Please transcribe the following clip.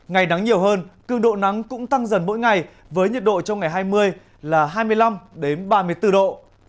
ngày nắng nhiều hơn cường độ nắng cũng tăng dần mỗi ngày với nhiệt độ trong ngày hai mươi là hai mươi năm ba mươi bốn độ